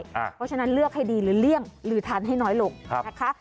เพราะฉะนั้นเลือกให้ดีหรือเลี่ยงหรือทานให้น้อยลงนะคะ